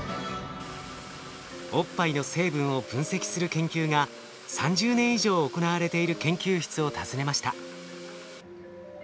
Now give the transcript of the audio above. おっぱいの成分を分析する研究が３０年以上行われている研究室を訪ねました。